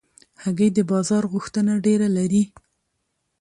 هګۍ د بازار غوښتنه ډېره لري.